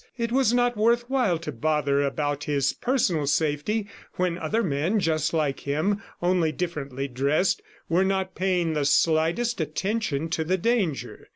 It was not worth while to bother about his personal safety when other men just like him, only differently dressed were not paying the slightest attention to the danger.